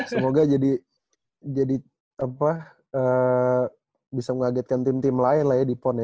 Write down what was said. semoga jadi bisa mengagetkan tim tim lain lah ya di pon ya